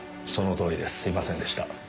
その通りですすいませんでした。